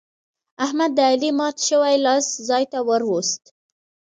احمد د علي مات شوی لاس ځای ته ور ووست.